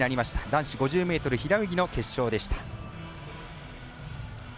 男子５０ｍ平泳ぎの決勝でした。